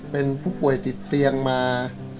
เป็นผู้ป่วยติดเตียงมา